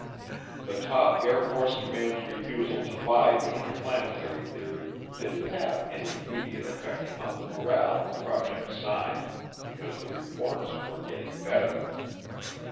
The top Air Force command's refusal to buy the interplanetary theory didn't have any immediate effect upon the morale of Project Sign because the reports were getting better.